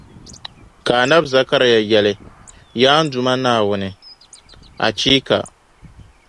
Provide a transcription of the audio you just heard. Ka Annabi Zakariya yεli: Yaa n Duuma Naawuni! Achiiika!